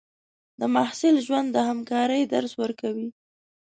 د محصل ژوند د همکارۍ درس ورکوي.